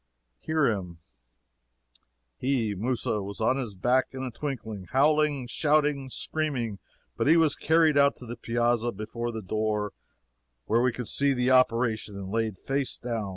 Hear him: "He (Mousa) was on his back in a twinkling, howling, shouting, screaming, but he was carried out to the piazza before the door, where we could see the operation, and laid face down.